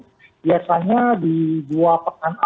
jadi biasanya di dua pekan awal